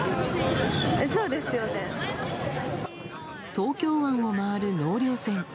東京湾を回る納涼船。